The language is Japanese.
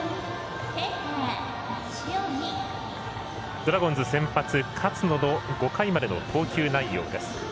ドラゴンズ、先発勝野の５回までの投球内容です。